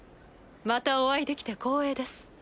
またお会いできて光栄です。